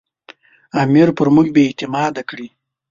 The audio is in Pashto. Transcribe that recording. امیر پر موږ بې اعتماده کړي.